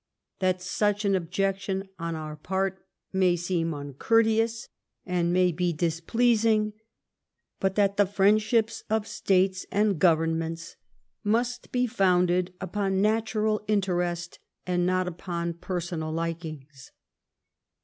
That such an objection on our part may seem uncourteous, and may be displeasing ; but that the friendships of States and Goyemments must be founded upon natural interest, and not upon personal likings.